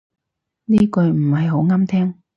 呢句唔係好啱聽